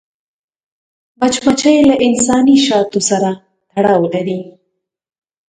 مچمچۍ له انساني شاتو سره تړاو لري